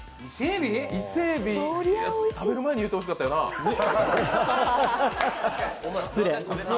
伊勢エビ、食べる前に言ってほしかったな。